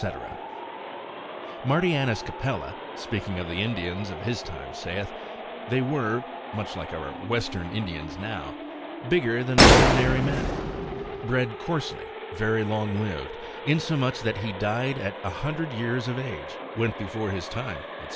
Martianus Capella, speaking of the Indians of his time, saith, they were (much like our western Indians now) bigger than ordinary men, bred coarsely, very long lived, insomuch, that he that died at a hundred years of age, went before his time, &c.